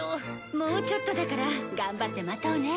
もうちょっとだから頑張って待とうね。